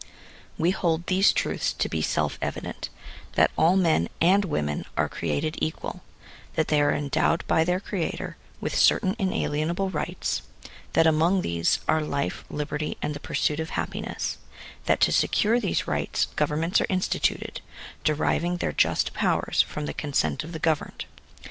We hold these truths to be self evident: that all men and women are created equal ; that they are endowed by their Creator with certain ina lienable rights; that among these are life, liberty, and the pursuit of happiness ; that to secure these rights governments are instituted, deriv ing their just powers from the consent of the governed.